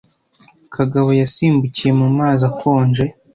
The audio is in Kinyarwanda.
Kagabo yasimbukiye mu mazi akonje.